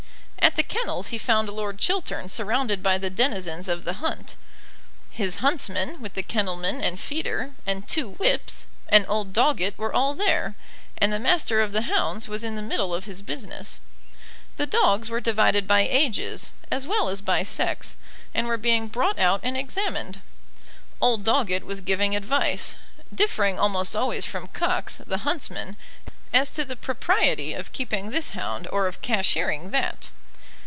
At the kennels he found Lord Chiltern surrounded by the denizens of the hunt. His huntsman, with the kennelman and feeder, and two whips, and old Doggett were all there, and the Master of the Hounds was in the middle of his business. The dogs were divided by ages, as well as by sex, and were being brought out and examined. Old Doggett was giving advice, differing almost always from Cox, the huntsman, as to the propriety of keeping this hound or of cashiering that.